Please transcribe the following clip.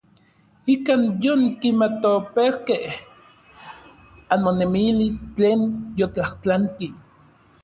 Ikan yonkimatopejkej anmonemilis tlen yotlajtlanki.